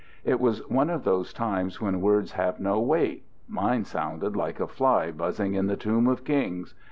It was one of those times when words have no weight: mine sounded like a fly buzzing in the tomb of kings.